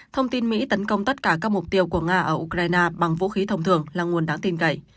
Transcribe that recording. thông tin mỹ tấn công tất cả các mục tiêu của nga ở ukraine bằng vũ khí thông thường là nguồn đáng tin cậy